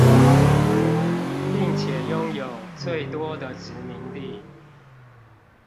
並且擁有最多的殖民地